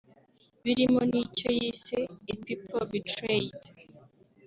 birimo n’icyo yise “A People Betrayed